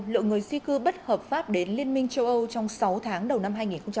lượng người di cư bất hợp pháp đến liên minh châu âu trong sáu tháng đầu năm hai nghìn hai mươi